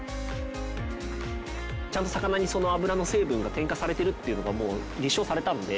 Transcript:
ちゃんと魚にその脂の成分が添加されてるっていうのがもう立証されたので。